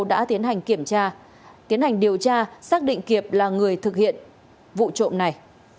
đã tiến hành kiểm tra tiến hành điều tra xác định kiệp là người thực hiện vụ trộm này